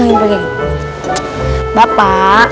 nah ini harus diberi